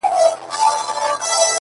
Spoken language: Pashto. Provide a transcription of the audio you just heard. او په خمارو ماښامونو کي به ځان ووينم’